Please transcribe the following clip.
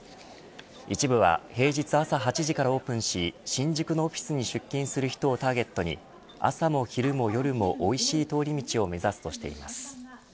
一部は平日朝８時からオープンし新宿のオフィスに出勤する人をターゲットに朝も、昼も、夜も、おいしい通り道を目指すとしています。